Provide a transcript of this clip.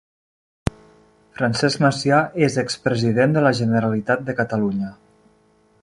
Francesc Macià és expresident de la Generalitat de Catalunya.